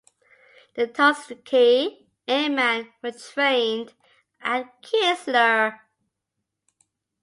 The Tuskegee Airmen were trained at Keesler.